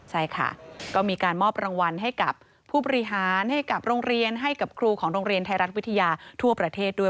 ใช่ค่ะก็มีการมอบรางวัลให้กับผู้บริหารให้กับโรงเรียนให้กับครูของโรงเรียนไทยรัฐวิทยาทั่วประเทศด้วย